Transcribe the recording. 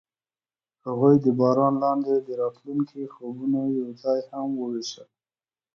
هغوی د باران لاندې د راتلونکي خوبونه یوځای هم وویشل.